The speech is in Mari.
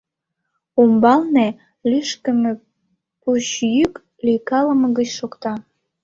Умбалне лӱшкымӧ, пуч йӱк, лӱйкалымыгыч шокта.